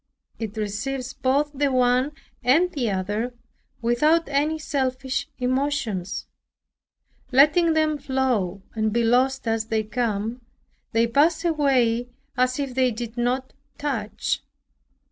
It receives both the one and the other without any selfish emotions, letting them flow and be lost as they come. They pass away as if they did not touch.